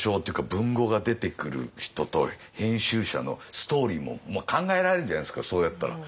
文豪が出てくる人と編集者のストーリーも考えられるじゃないですかそうやったら。